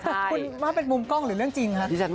คุณว่าเป็นมุมกล้องหรือเรื่องจริงครับ